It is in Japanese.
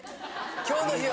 今日の日よ